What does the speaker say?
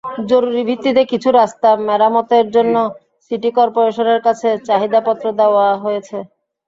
জরুরি ভিত্তিতে কিছু রাস্তা মেরামতের জন্য সিটি করপোরেশনের কাছে চাহিদাপত্র দেওয়া হয়েছে।